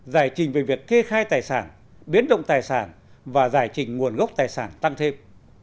giải trình về việc kê khai tài sản biến động tài sản và giải trình nguồn gốc tài sản tăng thêm